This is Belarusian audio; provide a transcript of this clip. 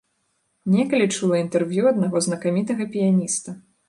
Некалі чула інтэрв'ю аднаго знакамітага піяніста.